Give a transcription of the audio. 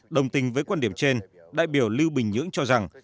đồng tình với quan điểm trên đại biểu lưu bình nhưỡng cho rằng